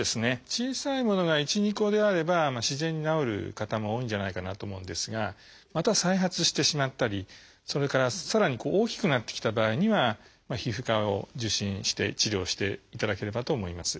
小さいものが１２個であれば自然に治る方も多いんじゃないかなと思うんですがまた再発してしまったりそれからさらに大きくなってきた場合には皮膚科を受診して治療していただければと思います。